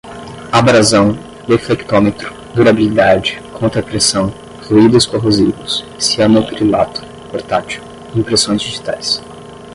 abrasão, deflectômetro, durabilidade, contrapressão, fluídos corrosivos, cianocrilato portátil, impressões digitais